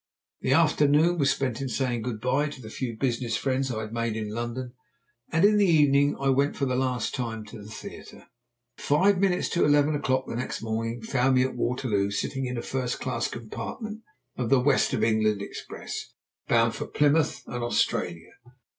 The afternoon was spent in saying good bye to the few business friends I had made in London, and in the evening I went for the last time to a theatre. Five minutes to eleven o'clock next morning found me at Waterloo sitting in a first class compartment of the West of England express, bound for Plymouth and Australia.